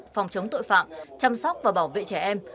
phòng chống tội phạm chăm sóc và bảo vệ trẻ em